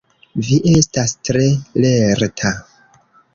Vi estas tre lerta!